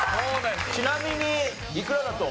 ちなみにいくらだと思う？